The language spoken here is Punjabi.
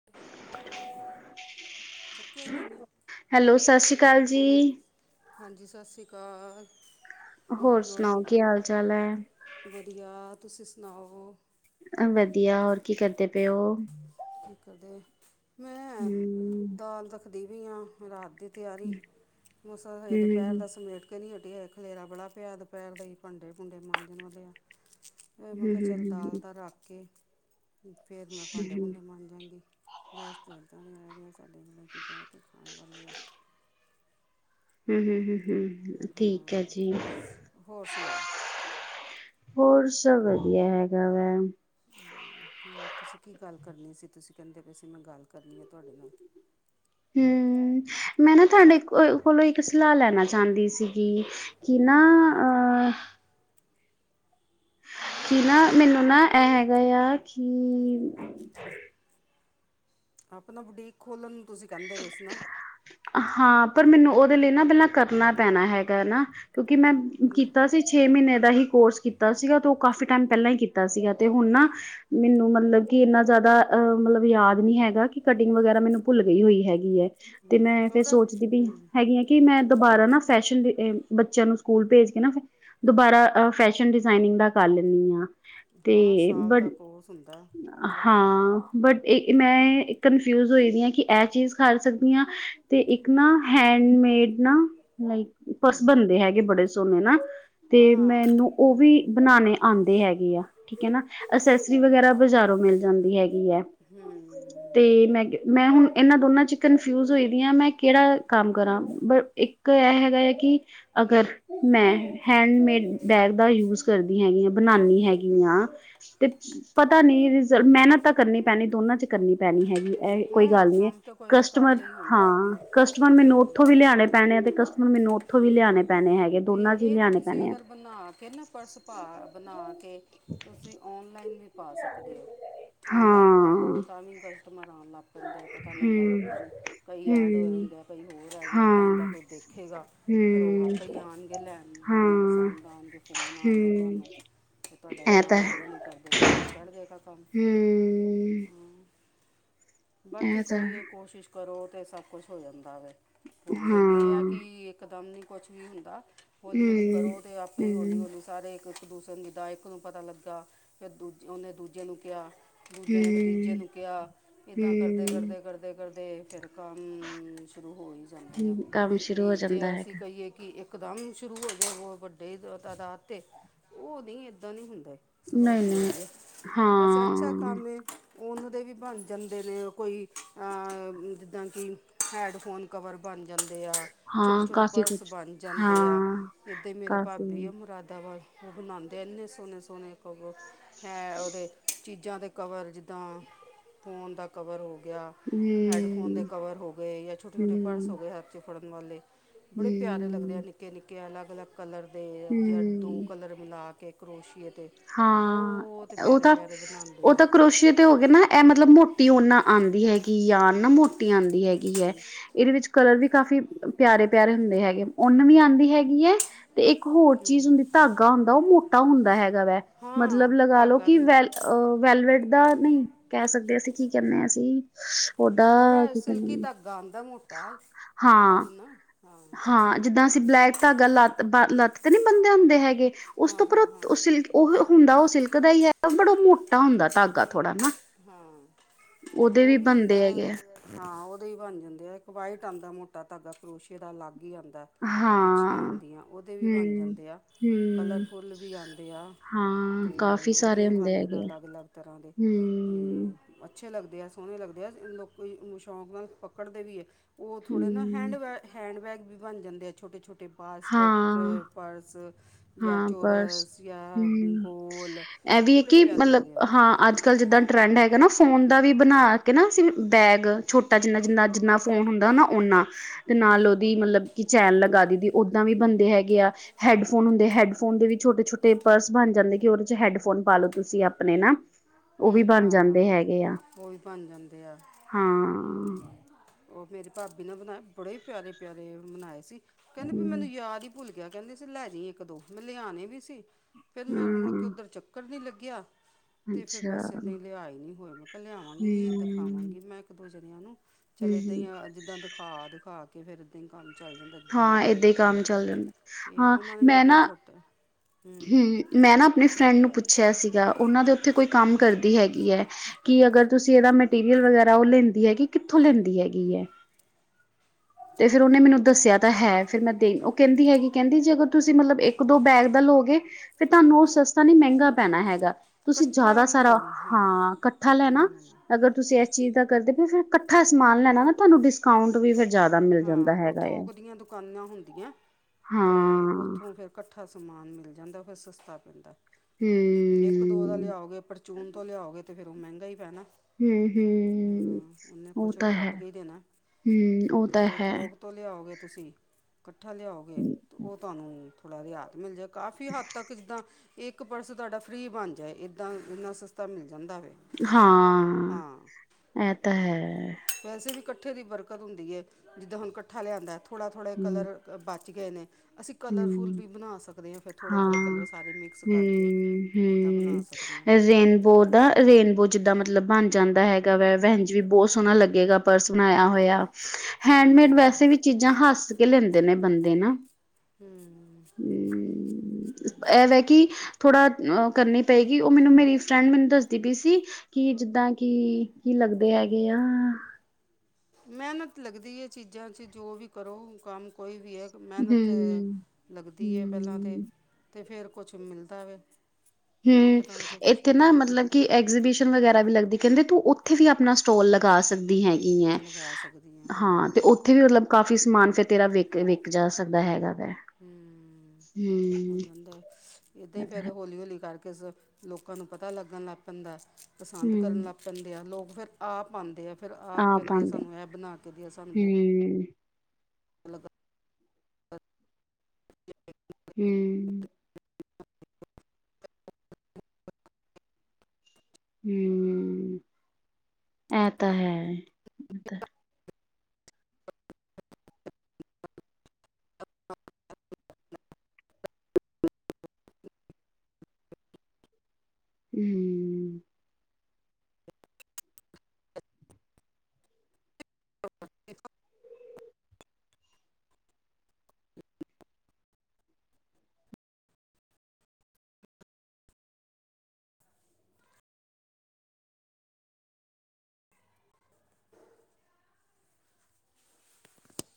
[inaudible] ਚੱਕਿਆ ਈ ਨੀ-ਨੀ ਹੈਲੋ ਸਤਿ ਸ਼੍ਰੀ ਅਕਾਲ ਜੀ [unintelligible] ਹਾਂਜੀ ਸਸ ਸ਼੍ਰੀ ਕਾਲ। ਹੋਰ ਸੁਣਾਓ ਕੀ ਹਾਲ-ਚਾਲ ਐ। ਵਧੀਆ ਤੁਸੀਂ ਸੁਣਾਓ? ਵਧੀਆ ਹੋਰ ਕੀ ਕਰਦੇ ਪਏ ਓ? ਕੀ ਕਰਦੇ? ਮੈਂ ਹਮ ਦਾਲ ਰੱਖਦੀ ਵੀ ਆ ਰਾ ਤੇ ਹਮ ਤਿਆਰੀ ਮਸਾ ਹਜੇ ਦੁਪੈਰ ਹਮ ਦਾ ਸਮੇਟ ਕੇ ਨੀ ਹਟੀ ਆ ਖਲੇਰਾ ਬੜਾ ਪਿਆ ਦੁਪੈਰ ਦਾ ਈ ਭਾਂਡੇ ਭੂੰਡੇ ਮਾਂਜਣ ਆਲੇ ਆ। ਫਿਰ ਮੈਂ ਕਿਹਾ ਚੱਲ ਹਮ ਦਾਲ ਤਾ ਰੱਖ ਕੇ ਫਿਰ ਮੈਂ ਭਾਂਡੇ ਹਮ ਮਾਜਾ ਗੀ ਗੈਸ ਦੀ ਹਤਾਂ ਨਹੀਂ ਰਹਿ ਰਹੀਆਂ [inaudible] ਸਾਡੇ ਜਿੜ ਕੀ ਕਹਿ ਕੇ ਖਾਣ ਵਾਲੀ ਐ ਹੂੰ-ਹੂੰ-ਹੂੰ ਠੀਕ ਹੈ ਹਾਂ ਜੀ। ਹੋਰ ਸੁਣਾਓ ਹੋਰ ਸਭ ਵਧੀਆ ਹੈਗਾ ਵੈ। ਹੋਰ ਤੁਸੀਂ ਕੀ ਗੱਲ ਕਰਨੀ ਸੀ ਤੁਸੀਂ ਕਹਿੰਦੇ ਪਏ ਸੀ ਮੈਂ ਗੱਲ ਕਰਨੀ ਆ ਤੁਹਾਡੇ ਨਾਲ। ਹੂੰ ਮੈਂ ਨਾ ਤੁਹਾਡੇ ਕੋਲੋਂ ਇੱਕ ਸਲਾਹ ਲੈਣਾ ਚਾਹੰਦੀ ਸੀ। ਕਿ ਕਿ ਨਾ ਅ ਕਿ ਨਾ ਮੈਨੂੰ ਨਾ ਇਹ ਹੈਗਾ ਆ ਕਿ ਆਪ ਨਾ ਬਡੀਕ ਖੋਲਣ ਨੂੰ ਤੁਸੀਂ ਕਹਿੰਦੇ ਪਏ ਸੀ ਨਾ ਹਾਂ, ਪਰ ਮੈਨੂੰ ਉਹਦੇ ਲਈ ਨਾ ਪਹਿਲਾਂ ਕਰਨਾ ਪੈਣਾ ਹੈਗਾ ਨਾ ਕਿਉਂਕਿ ਮੈਂ ਪਹਿਲਾਂ ਕੀਤਾ ਸੀ। ਛੇ ਮਹੀਨੇ ਦਾ ਹੀ ਕੋਰਸ ਕੀਤਾ ਸੀਗਾ ਤੇ ਉਹ ਕਾਫੀ ਟਾਈਮ ਪਹਿਲਾਂ ਹੀ ਕੀਤਾ ਸੀਗਾ। ਤੇ ਹੁਣ ਨਾ ਮੈਨੂੰ ਮਤਲਬ ਕਿ ਇੰਨਾ ਜ਼ਿਆਦਾ ਅ ਮਤਲਬ ਯਾਦ ਨੀ ਹੈਗਾ ਕਿ ਕਟਿੰਗ ਵਗੈਰਾ ਮੈਨੂੰ ਭੁੱਲ ਗਈ ਹੋਈ ਹੈਗੀ ਹੈ ਤੇ ਮੈਂ ਫੇਰ ਉਹਦਾ ਸੋਚਦੀ ਪਈ ਹੂੰ ਹੈਗੀ ਕਿ ਮੈਂ ਦੁਬਾਰਾ ਨਾ ਫੈਸ਼ਨ, ਬੱਚਿਆਂ ਨੂੰ ਸਕੂਲ ਭੇਜ ਕੇ ਨਾ ਦੁਬਾਰਾ ਅ ਫੈਸ਼ਨ ਡਿਜ਼ਾਇਨਿੰਗ ਦਾ ਕਰ ਲੈਂਣੀ ਆ। ਹਾਂ ਤੇ ਸਾਲ ਦਾ ਬਟ ਕੋਰਸ ਹੁੰਦਾ ਕਰ ਲਏ ਹਾਂ ਬਟ ਇਹ ਮੈਂ ਕਨਫਿਊਜ ਹੋ ਦੀ ਹਾਂ ਕਿ ਇਹ ਚੀਜ਼ ਕਾਰ ਸਕਦੀ ਹਾਂ ਤੇ ਇੱਕ ਨਾ ਹੈਂਡਮੇਡ ਨਾ ਪਰਸ ਹੂੰ ਬਣਦੇ ਹੈਗੇ ਬੜੇ ਸੋਹਣੇ ਨਾ ਤੇ ਹਾਂ ਮੈਨੂੰ ਉਹ ਵੀ ਬਣਾਣੇ ਆਉਂਦੇ ਹੈਗੇ ਆ। ਠੀਕ ਏ ਨਾ ਅਸੈਸਰੀ ਵਗੈਰਾ ਬਜ਼ਾਰੋਂ ਮਿਲ ਜਾਂਦੀ ਹੈਗੀ ਐ। ਹੂੰ। ਤੇ ਮੈਂ ਕ ਮੈਂ ਹੁਣ ਇਹਨਾਂ ਦੋਨਾਂ ਚ ਕਨਫਿਊਜ਼ ਹੋਈ ਦੀ ਹਾਂ ਮੈਂ ਕਿਹੜਾ ਕੰਮ ਕਰਾਂ ਬ ਇੱਕ ਇਹ ਹੈ ਵੀ ਅਗਰ ਮੈਂ ਹੈਂਡਮੇਡ ਬੈਗ ਦਾ ਯੂਜ ਕਰਦੀ ਹਾਂ ਬਣਾਉਦੀ ਹੈਗੀ ਆ। ਤੇ ਪਤਾ ਨੀ ਰਿਜ਼, ਮਿਹਨਤ ਤਾਂ ਕਰਨੀ ਪੈਣੀ ਦੋਨਾਂ ਚ ਕਰਨੀ ਪੈਣੀ ਹੈਗੀ ਇਹ ਕੋਈ ਹੂੰ ਗੱਲ ਨੀ। ਕੰਮ ਤਾਂ ਕੋਈ ਵੀ ਕਸਟਮਰ ਕਰਕੇ ਹੀ ਹੋਣਾ ਹਾਂ ਕਸਟਮਰ ਮੇਨੋ ਔਥੋ ਵੀ ਲਿਆਉਣੇ ਪੈਣੇ ਆ ਤੇ ਕਸਟਮਰ ਮੈਨੂੰ ਉੱਥੋਂ ਵੀ ਲਿਆਉਣੇ ਪੈਣੇ ਹੈਗੇ। ਅਤੇ ਦੋਨਾਂ ਚ ਹੀ ਇਹ ਤੇ ਲਿਆਣੇ ਤੁਸੀਂ ਪੈਣੇ ਆ ਅਗਰ ਬਣਾ ਕੇ ਨਾ ਪਰਸ ਪਾ ਬਣਾ ਕੇ ਤੁਸੀਂ ਔਨਲਾਈਨ ਵੀ ਪਾ ਸਕਦੇ ਹੋ ਔਨਲਾਈਨ ਪਾ ਹਾਂ ਦਿਉ ਤਾਂ ਵੀ ਕਸਟਮਰ ਆਣ ਲੱਗ ਬੰਦੇ ਆਂ ਪਤਾ ਲੱਗਦਾ ਹਮ ਲੋਕਾਂ ਨੂੰ। ਕਈ ਐਡ ਹੋ ਹਮ ਜਾਦੇ ਕਈ ਹੋਰ ਐ ਜਾਦੇ, ਜਿੱਦਾਂ-ਜਿੱਦਾਂ ਹਾਂ ਕੋਈ ਦੇਖੇਗਾ। ਫਿਰ ਉਹ ਹਮ ਆਪ ਕਈ ਆਣਗੇ ਲੈਣ ਹਾਂ ਜਿਣਾ ਨੂੰ ਹੂੰ ਪਸੰਦ ਆਣਗੇ, ਫੋਨ ਆਣਗੇ ਤੁਹਾਨੂੰ। ਤੇ ਤੁਹਾਡਾ ਇਹ ਏਦਾਂ ਤਾਂ ਹੈ ਹੌਲੀ ਹਲੀ ਕਰਦੇ-ਕਰਦੇ ਚੜ ਗਏਗਾਾ ਕੰਮ। ਹੂੰ ਹੂੰ, ਬਾਕੀ ਤਾਂ ਕੋਈ ਹੈ ਇਹ ਕੋਸ਼ਿਸ਼ ਕਰੋ ਤਾਂ ਸਭ ਕੁਛ ਹੋ ਜਾਂਦਾ ਵ ਹਾਂ ਹੌਲੀ-ਹੌਲੀ ਇਹ ਆ ਕਿ ਹੂੰ ਇਕਦਮ ਨਹੀਂ ਕੁਛ ਵੀ ਹੁੰਦਾ ਹੌਲੀ-ਹੌਲੀ ਹੂੰ ਕਰੋ ਅਤੇ ਆਪੇ ਹੂੰ ਹੌਲੀ-ਹੌਲੀ ਸਾਰੇ ਇੱਕ ਦੂਸਰੇ ਦੀ ਦਾ ਇਕ ਨੂੰ ਪਤਾ ਲੱਗਾ ਫਿਰ ਦੂਜ ਉਹਨੇ ਦੂਜੇ ਨੂੰ ਕਿਹਾ। ਦੂਜਿਆਂ ਨੇ ਫੇ ਤੀਜੇ ਨੂੰ ਕਿਹਾ ਇੱਦਾਂ ਕਰਦੇ ਹੂੰ ਕਰਦੇ-ਕਰਦੇ-ਕਰਦੇ ਫਿਰ ਕੰਮ ਸ਼ੁਰੂ ਹੋਈ ਜਾਂਦੇ ਆ। ਹੂੰ ਕੰਮ ਸ਼ੁਰੂ ਹੋ ਜੇ ਜਾਂਦਾ ਅਸੀਂ ਹੈਗਾ ਕਹੀਏ ਕਿ ਇੱਕ ਏਕਦਮ ਸ਼ੁਰੂ ਹੋ ਗੇ ਬੋਤ ਵੱਡੇ ਤਾਦਾਦ ਤੇ, ਓ ਨਈ ਇੱਦਾ ਨੀ ਹੁੰਦੇ। ਨਹੀਂ ਸਲੋ-ਸਲੋ ਨਹੀਂ ਈ ਏ, ਵੈਸੇ ਅੱਛਾ ਹਾਂ ਕਾੰਮ ਏ। ਓਨ ਦੇ ਵੀ ਬਾਨ ਜਾਂਦੇ ਨੇ ਕੋਈ, ਆ ਜਿੱਦਾਂ ਕਿ ਹੈਡਫੋਨ ਕਵਰ ਬਾਨ ਜਾਂਦੇ ਆ, ਹਾਂ ਛੋਟੇ-ਛੋਟੇ ਕਾਫੀ ਪਰਸ ਕੁਛ ਬਾਨ ਹਾਂ ਜਾਂਦੇ ਆ। ਏਦਾ ਈ ਮੇਰਾ ਕਾਫੀ ਪਾਬੀ ਆ ਮੁਰਾਦਾਬਾਦ ਓ ਬਨਾਂਦੇ ਐ ਏਨੇ ਸੋਨੇ-ਸੋਨੇ ਕੋਵ, ਹੈਂ ਓਦੇ ਚੀ ਚੀਜ਼ਾਂ ਦੇ ਕਵਰ ਜਿੱਦਾਂ ਫ਼ੋਨ ਦਾ ਕਵਰ ਹੋ ਗੇਆ, ਹੈਡਫੋਨ ਦੇ ਹੂੰ ਕਵਰ ਹੋ ਗਏ ਯਾ ਛੋਟੇ-ਛੋਟੇ ਪਰਸ ਹੋ ਹੂੰ ਗਏ ਹਾੱਥ ਚ ਫੜਨ ਵਾਲੇ, ਬੜੇ ਪੇਆਰੇ ਲੱਗਦੇ ਆ ਹੂੰ ਨਿੱਕੇ-ਨਿੱਕੇ ਅਲੱਗ-ਅਲੱਗ ਕਲਰ ਦੇ ਹੂੰ ਦੋ ਕਲਰ ਮਿਲਾ ਕੇ ਕਰੋਸ਼ੀਏ ਦੇ। ਹਾਂ, ਓ ਤਾਂ ਬਣਾਉਂਦੇ ਓ ਆ ਤਾ ਕਰੋਸ਼ੀਏ ਤੇ ਹੋ ਗੇ ਨਾ ਐ ਮਤਲਬ ਮੋਟੀ ਹੋਨ ਆਂਦੀ ਹੈਗੀ ਐ, ਯਾਰ ਨਾ ਮੋਟੀ ਆਂਦੀ ਹੈਗੀ ਐ। ਏਦੇ ਵਿੱਚ ਕਲਰ ਵੀ ਕਾਫੀ ਪਿਆਰੇ-ਪਿਆਰੇ ਹੁੰਦੇ ਹੈਗੇ। ਉਨ ਵੀ ਆਂਦੀ ਹੈਗੀ ਐ, ਤੇ ਏਕ ਹੋਰ ਚੀਜ਼ ਹੁੰਦੀ ਧਾਗਾ ਹੁੰਦਾ ਓ ਮੋਟਾ ਹੁੰਦਾ ਹੈਗੈ ਵੈ। ਹਾਂ ਮਤਲਬ ਲਗਾ ਲੋ ਧਾਗਾ ਕਿ ਵੀ ਵੈ ਅ ਵੈਲਵਟ ਦਾ, ਨਈ ਕੈ ਸਕਦੇ ਅਸੀ, ਕੀ ਕੈਂਨੇ ਆ ਅਸੀ ਤੋਡਾ ਕੀ ਕੈਂਦੇ ਨੇ ਰਾਮ ਦਾ ਮੋਟਾ ਥੋੜ੍ਹਾ ਹਾਂ, ਜਿੰਨਾ ਹਾਂ ਹਾਂ ਜਿੱਦਾਂ ਅਸੀ ਬਲੈਕ ਧਾਗਾ ਲਾੱਤ ਬਾ ਲਾੱਤ ਤੇ ਨੀ ਬੰਦੇ ਹੁੰਦੇ ਹੈਗੇ, ਉਸ ਹਾਂ ਤੋਂ ਹਾਂ ਹਾਂ ਉੱਪਰ ਉ ਸਿਲਕੀ ਓ ਹੁੰਦਾ, ਓ ਸਿਲਕ ਦਾ ਈ ਐ। ਬੜਾ ਮੋਟਾ ਹੁੰਦਾ ਹੈਗਾ ਧਾਗਾ ਥੋੜਾ ਨਾ, ਹਾਂ ਓਦੇ ਉਹ ਵੀ ਹੁੰਦਾ ਬਨਦੇ ਹੈਗੇ ਐ। ਹਾਂ, ਓਦੇ ਈ ਬਨ ਜਾਂਦੇ ਐ, ਇੱਕ ਵਾਈਟ ਆਂਦਾ ਮੋਟਾ ਧਾਗਾ ਕਰੋਸ਼ੀਏ ਦਾ ਅਲੱਗ ਈ ਆਂਦੈ। ਗੁੱਛੀਆਂ ਹਾਂ ਆਂਦੀਐਂ, ਓਦੇ ਵੀ ਬਨ ਹਮ ਜਾਂਦੇ ਆ। ਹਮ ਕਲਰਫੁੱਲ ਵੀ ਆਂਦੇ ਆ ਹਾਂ ਤੇ ਕਾਫੀ ਸਾਰੇ ਓਦੀਆਂ ਵੀ ਹੁੰਦੇ ਬਨ ਜਾਨ ਹੈਗੇ ਆ ਅਲੱਗ-ਅਲੱਗ ਤਰਾਂ ਦੇ, ਤੇ ਹਮ ਅੱਛੇ ਲੱਗਦੇ ਐ, ਸੋਨੇ ਲੱਗਦੇ ਐ, ਲੋਕ ਕਈ ਓਨ ਸ਼ੌਂਕ ਨਾਲ ਪਕੜਦੇ ਵੀ ਏ ਓ ਥੋੜੇ ਨਾ ਹਮ ਹੈਂਡਵਰ, ਹੈਂਡਬੈਗ ਵੀ ਬਾਨ ਜਾਂਦੇ ਐ ਛੋਟੇ-ਛੋਟੇ ਬਾਸਕੇਟ, ਹਾਂ ਪਰਸ ਯਾ ਹਾਂ ਪਰਸ ਚੋਰਸ, ਯਾ ਗੋਲ ਐਵੀ ਏ ਬੜੇ ਕਿ ਪਿਆਰੇ ਮਲਬ ਲੱਗਦੇ ਆ ਹਾਂ ਅੱਜ ਕੱਲ ਜਿੱਦਾਂ ਟਰੈਂਡ ਹੈਗਾ ਨਾ, ਫੋਨ ਦਾ ਵੀ ਬਨਾ ਕੇ ਨਾ ਅਸੀ ਬੈਗ ਛੋਟਾ ਜਿੰਨਾ-ਜਿੰਨਾ, ਜਿੰਨਾ ਫੋਨ ਹੁੰਦਾ ਨਾ ਓਨਾ, ਤੇ ਨਾਲ ਓਦੀ ਮਲਬ ਕਿ ਚੈਨ ਲਗਾ ਦੀ ਦੀ। ਇੱਦਾ ਵੀ ਬਨਦੇ ਹੈਗੇ ਆ, ਹੈਡਫੋਨ ਹੁੰਦੇ ਹੈਡਫੋਨ ਦੇ ਵੀ ਛੋਟੇ-ਛੋਟੇ ਪਰਸ ਬਾਨ ਜਾਂਦੇ ਕਿ ਓਦੇ ਚ ਹੈਡਫੋਨ ਪਾ ਲੋ ਤੁਸੀ ਆਪਨੇ ਨਾ ਉਹ ਵੀ ਹੂੰ, ਬਣ ਹਾਂ ਜਾਂਦੇ ਹੈਗੇ ਆ ਓ ਵੀ ਬਾਨ ਜਾਂਦੇ ਆ, ਹਾਂ ਹੂੰ। ਓ ਮੇਰੀ ਪਾਬੀ ਨੇ ਬਨਾਏ, ਬੜੇ ਪੇਆਰੇ-ਪਆਰੇ ਬਨਾਏ ਸੀ। ਕਹਿੰਦੇ ਮੈਨੂੰ ਹਮ ਯਾਦ ਈ ਭੁੱਲ ਗੇਆ, ਕੈਂਦੇ ਸੀ ਲੈ ਜੀਂ ਇੱਕ-ਦੋ ਮੈਂ ਲਿਆਨੇ ਵੀ ਸੀ। ਫੇਰ ਮੇਰਾ ਮੁੜ ਕੇ ਹਾਂ ਓੱਧਰ ਚੱਕਰ ਨੀ ਲੱਗੇਆ। ਤੇ ਫੇਰ ਅੱਛਾ ਬਾੱਸ ਏਦਾਂ ਈ ਲਿਆ ਈ ਨੀ ਹੋਏ, ਮੈਂ ਕੇਆ ਲੇਆਵਾਂਗੀ, ਹਮ ਦਖਾਵਾਂਗੀ ਮੈਂ ਇੱਕ ਦੋ ਜਨੇਆਂ ਨੂੰ। ਹਮ ਚੱਲ ਏਦਾ ਈ ਹਮ ਆ ਜਿੱਦਾਂ ਦਿਖਾ-ਦਿਖਾ ਕੇ ਫੇਰ ਇੱਦਾਂ ਈ ਕਾੰਮ ਚਾੱਲ ਜਾਂਦਾ ਜਿੱਦਾਂ ਹਾਂ ਲੋਕਾਂ ਨੂੰ ਏਦਾਂ ਹੀ ਪਤਾ ਕੰਮ ਲੱਗੇ, ਚੱਲ ਜਾਂਦਾ ਤੇ ਹਾਂ ਓਨਾਂ ਨੇ ਵੀ ਮੈਂ ਐਦਾਂ ਈ ਨਾ ਛੋਟ ਤੈ ਹੂੰ, ਮੈਂ ਨਾ ਅਪਨੇ ਫਰੈਂਡ ਨੂੰ ਪੁੱਛੇਆ ਸੀਗਾ, ਓਨਾਂ ਦੇ ਉੱਥੇ ਕੋਈ ਕਾੰਮ ਕਰਦੀ ਹੈਗੀ ਐ। ਕਿ ਅਗਰ ਤੁਸੀ ਐਦਾ ਮੈਟੀਰੀਅਲ ਵਗੈਰਾ ਓ ਲੈਂਦੀ ਹੈਗੀ, ਕਿੱਥੋਂ ਲੈਂਦੀ ਹੈਗੀ ਐ। ਤੇ ਫੇਰ ਓਨੇ ਮੈਨੂੰ ਦੱਸੇਆ ਤਾ ਹੈ। ਫੇਰ ਮੈਂ ਦੇ ਓ ਕੈੱਦੀ ਹੈਗੀ, ਕੈਂਦੀ ਜੇ ਅਗਰ ਤੁਸੀ ਮਤਲਬ ਇੱਕ-ਦੋ ਬੈਗ ਦਾ ਲੋਗੇ। ਫਿਰ ਤੁਆਨੂੰ ਓ ਸਸਤਾ ਨੀ ਮੈਂਗਾ ਪੈਨਾ ਹੈਗਾ। ਤੁਸੀਂ ਇਕੱਠਾ ਜਾਦਾ ਸਾਰਾ ਲਓ ਹਾਂ ਕੱਠਾ ਲੈਨਾ ਹੂੰ ਅਗਰ ਤੁਸੀਂ ਏਸ ਚੀਜ਼ ਦਾ ਕਰਦੇ ਪਏ ਫਿਰ ਕੱਠਾ ਸਮਾਨ ਲੈਨਾ ਨਾ ਤੁਆਨੂੰ ਡਿਸਕਾਊਂਟ ਵੀ ਫਿਰ ਜ਼ਿਆਦਾ ਮਿਲ ਜਾਂਦਾ ਹਾਂ ਓ ਹੈਗਾ ਆ। ਥੋਕ ਦੀਆਂ ਦੁਕਾਨਾਂ ਹੁੰਦੀਆਂ ਤੇ ਹਾਂ ਓਥੋਂ ਫੇਰ ਕੱਠਾ ਸਮਾਨ ਮਿਲ ਜਾਂਦਾ ਫੇਰ ਸਸਤਾ ਪੈਂਦਾ ਏ ਇੱਕ ਦੋ ਦਾ ਹੂੰ ਲਿਆਓਗੇ ਪਰਚੂਨ ਤੋਂ ਲਿਆਓਗੇ ਤੇ ਫੇਰ ਓ ਮੈਂਗਾ ਈ ਪੈਨਾ। ਹੂੰ, ਓਨੇ ਉਹ ਕੁਛ ਤਾਂ ਹੈ। ਖੱਟ ਕੇ ਈ ਦੇਨਾ। ਹੂੰ। ਉਹ ਤਾਂ ਜੇ ਹੈ। ਥੋਕ ਤੋਂ ਲਿਆਓਗੇ ਤੁਸੀਂ ਕੱਠਾ ਲਿਆਓਗੇ। ਓ ਤੁਹਾਨੂੰ ਥੋੜ੍ਹਾ ਰਿਆਤ ਮਿਲ ਜੇ, ਕਾਫ਼ੀ ਹੱਦ ਤੱਕ ਜਿੱਦਾਂ ਇੱਕ ਪਰਸ ਤੁਆਡਾ ਫ੍ਰੀ ਬਨ ਜਾਏ ਇੱਦਾਂ ਇੰਨਾ ਸਸਤਾ ਮਿਲ ਜਾਂਦਾ ਵੇ। ਹਾਂ, ਹਾਂ ਐ ਤਾਂ ਹੈ। ਵੈਸੇ ਵੀ ਕੱਠੇ ਦੀ ਬਰਕਤ ਹੁੰਦੀ ਏ ਜਿੱਦਾਂ ਹੁਨ ਕੱਠਾ ਲਿਆਂਦੈ ਥੋੜਾ- ਥੋੜੇ ਹੂੰ ਕਲਰ ਬਚ ਗਏ ਨੇਂ, ਅਸੀਂ ਕਲਰਫੁੱਲ ਹੂੰ ਵੀ ਬਨਾ ਸਕਦੇ ਆਂ ਫਿਰ ਹਾਂ ਥੋੜੇ-ਥੋੜੇ ਕਲਰ ਸਾਰੇ ਮਿਕਸ ਕਰਕੇ ਏਦਾਂ ਬਨਾ ਸਕ ਰੇਨਬੋਅ ਦਾ ਰੇਨਬੋਅ ਜਿੱਦਾਂ ਮਤਲਬ ਬਨ ਜਾਂਦਾ ਹੈਗਾ ਵੈ, ਵੈੰਜ ਵੀ ਬੋਤ ਸੋਣਾ ਲੱਗੇਗਾ। ਪਰਸ ਬਨਾਯਾ ਹੋਇਆ। ਹੈਂਡਮੇਡ ਹੂੰ ਵੈਸੇ ਵੀ ਚੀਜਾਂ ਹੰਸ ਕੇ ਲੈਂਦੇ ਨੇ ਬੰਦੇ ਨਾ। ਹੂੰ। ਐ ਵੇੈ ਕਿ ਥੋੜਾ ਅ ਕਰਨੀ ਪਏਗੀ। ਓ ਮੈਨੂੰ ਮੇਰੀ ਫਰੈਂਡ ਮੈਨੂੰ ਦੱਸਦੀ ਪਈ ਸੀ। ਕੀ ਜਿੱਦਾਂ ਕੀ, ਕੀ ਲੱਗਦੇ ਹੈਗੇ ਆ? ਮੈਹਨਤ ਲੱਗਦੀ ਏ ਚੀਜਾਂ 'ਚ ਜੋ ਵੀ ਕਰੋ ਕੰਮ। ਕੋਈ ਵੀ ਐ ਇੱਕ ਮੈਨਤ ਹੂੰ ਲੱਗਦੀ ਐ ਪੈਲਾਂ ਤੇ। ਹੂੰ ਤੇ ਫਿਰ ਕੁਛ ਮਿਲਦਾ ਵੇ। ਹੂੰ, ਇਕਦਮ ਤਾਂ ਕੁਛ ਏਥੇ ਨਹੀਂ ਨਾ ਮਿਲਦਾ ਮਤਲਬ ਕਿ ਐਗਜ਼ੀਬੀਸ਼ਨ ਵਗੈਰਾ ਵੀ ਲੱਗਦੀ ਕੈਂਦੇ ਤੂੰ ਓਥੇ ਵੀ ਅਪਨਾ ਸਟੋਲ ਲਗਾ ਸਕਦੀ ਹੈਗੀ ਐ ਹਾਂ ਤੇ ਓ ਥੇ ਵੀ ਮਤਲਬ ਕਾਫੀ ਸਮਾਨ ਫਿਰ ਤੇਰਾ ਵਿਕ-ਵਿਕ ਜਾ ਸਕਦਾ ਹੈਗਾ ਵੇ। ਹੂੰ, ਹੋ ਜਾਂਦਾ ਐ, ਏਦਾਂ ਇਹ ਈ ਤਾਂ ਫੇਰ ਹੈ ਹੌਲੀ-ਹੌਲੀ ਕਰ ਕੇ ਸ ਲੋਕਾਂ ਨੂੰ ਪਤਾ ਲੱਗਨ ਲੱਗ ਪੈਂਦਾ, ਪਸੰਦ ਹੂੰ, ਕਰਨ ਲੱਗ ਕੈਂਦੇ ਆ ਲੋਕ ਫਿਰ ਆਪ ਆਂਦੇ ਐ ਫਿਰ ਆਪ ਕੈਂਦੇ ਆ ਸਾਨੂੰ ਐ ਬਣਾ ਕੇ ਦੇਓ ਸਾਨੂੰ ਬੋ ਹੂੰ। [unintelligible] ਹੂੰ। ਹੂੰ, ਐ ਤਾਂ ਹੈ, ਐ ਤਾਂ ਹੈ। ਹੂੰ। [inaudible]